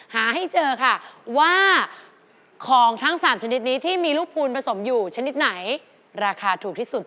หาให้เจอค่ะว่าของทั้ง๓ชนิดนี้ที่มีลูกพูนผสมอยู่ชนิดไหนราคาถูกที่สุด